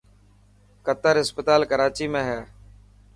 قتر اسپتال ڪراچي ۾ هي.